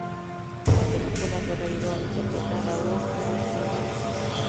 En la película Ferreiro interpreta a Raúl, un "skinhead".